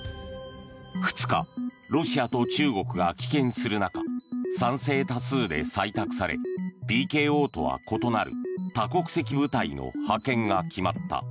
２日、ロシアと中国が棄権する中賛成多数で採択されＰＫＯとは異なる多国籍部隊の派遣が決まった。